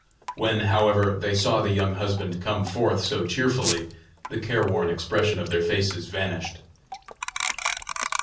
When, however, they saw the young husband come forth so cheerfully the careworn expression of their faces vanished.